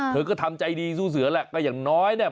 เธอก็ทำใจดีสู้เสือแหละก็อย่างน้อยเนี่ย